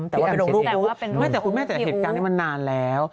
แต่ว่าเป็นลูกพี่อุ๊บไม่แต่เหตุการณ์นี้มันนานแล้ว